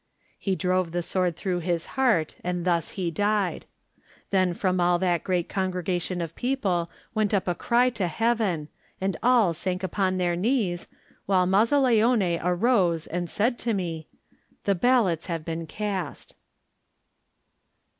'* He drove the sword through his heart and thus he died. Then from all that great congregation of people went up a cry to heaven, and all sank upon their knees, while Mazzaleone arose and said to me: "The ballots have been cast."